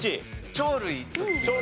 鳥類。